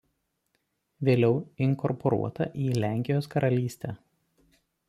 Vėliau inkorporuota į Lenkijos karalystę.